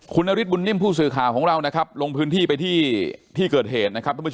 คุณนาริสบวนนิ่มผู้สื่อข่าวลงพื้นที่ไปที่เกิดเหตุ